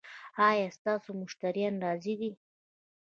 ایا ستاسو مشتریان راضي دي؟